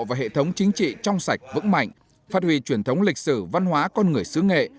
và hệ thống chính trị trong sạch vững mạnh phát huy truyền thống lịch sử văn hóa con người xứ nghệ